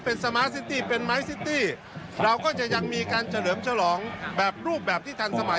เป็นสมาร์ซิตี้เป็นไม้ซิตี้เราก็จะยังมีการเฉลิมฉลองแบบรูปแบบที่ทันสมัย